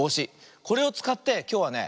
これをつかってきょうはね